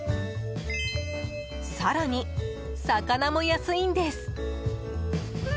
更に、魚も安いんです！